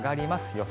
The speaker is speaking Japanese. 予想